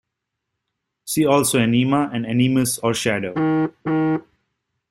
See also anima and animus or shadow.